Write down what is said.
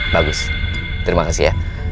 bagus terima kasih ya